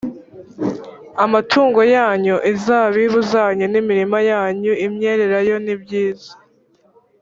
amatungo yanyu inzabibu zanyu n imirima yanyu y imyelayo ni ibyiza